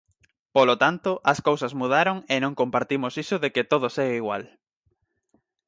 Polo tanto, as cousas mudaron e non compartimos iso de que todo segue igual.